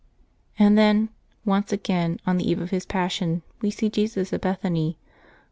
^' And then once again, on the eve of His Passion, we see Jesus at Bethany.